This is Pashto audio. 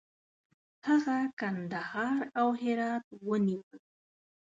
هغه کندهار او هرات ونیول.